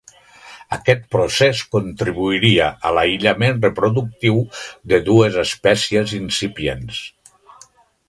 Aquest procés contribuiria a l'aïllament reproductiu de dues espècies incipients.